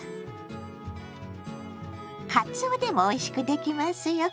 「かつお」でもおいしくできますよ。